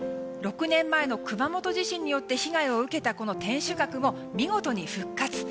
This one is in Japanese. ６年前の熊本地震によって被害を受けた天守閣も見事に復活。